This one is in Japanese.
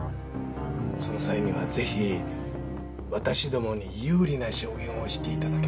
その際にはぜひ私どもに有利な証言をして頂けないかと。